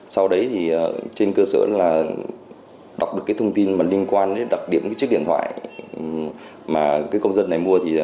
sau đấy trên cơ sở đọc được thông tin liên quan đến đặc điểm chiếc điện thoại mà công dân này mua